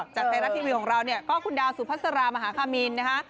จากไทยรัฐทีวีของเราเนี่ยก็คุณดาวสุภาษารามหาคามินนะคะ